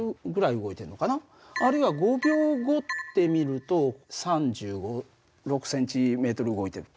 あるいは５秒後ってみると３５３６ｃｍ動いてる。